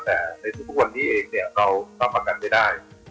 ในสุดพอวันนี้เองเรารับประกันไม่ได้